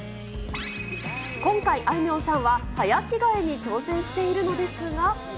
今回、あいみょんさんは早着替えに挑戦しているのですが。